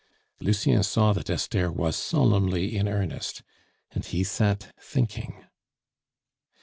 Lucien saw that Esther was solemnly in earnest, and he sat thinking.